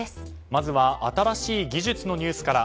まずは新しい技術のニュースから。